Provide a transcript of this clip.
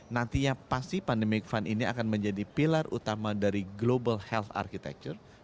nantinya pasti pandemic fund ini akan menjadi pilar utama dari global health architecture